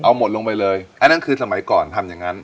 เอาหมดลงไปเลยอันนั้นคือสมัยก่อนทำอย่างนั้น